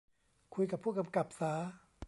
คุยกับผู้กำกับสา